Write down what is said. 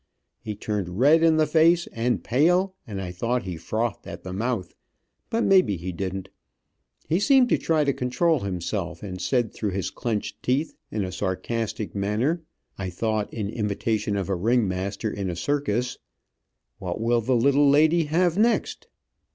He turned red in the face and pale, and I thought he frothed at the mouth, but may be he didn't. He seemed to try to control himself, and said through his clenched teeth, in a sarcastic manner, I thought, in imitation of a ring master in a circus: "What will the little lady have next?"